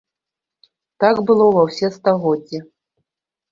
Так было ва ўсе стагоддзі.